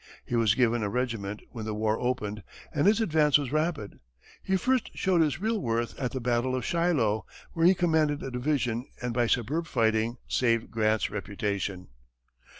He was given a regiment when the war opened, and his advance was rapid. He first showed his real worth at the battle of Shiloh, where he commanded a division and by superb fighting, saved Grant's reputation.